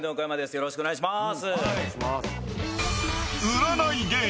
よろしくお願いします。